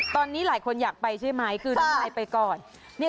ตอนนี้หลายคนอยากไปใช่ไหมคือน้ำลายไปก่อน